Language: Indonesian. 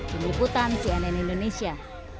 peneliputan cnn indonesia